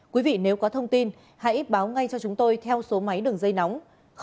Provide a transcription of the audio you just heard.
quý vị nếu có thông tin hãy báo ngay cho chúng tôi theo số máy đường dây nóng sáu mươi chín hai trăm ba mươi bốn